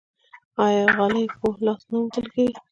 آیا غالۍ په لاس نه اوبدل کیږي؟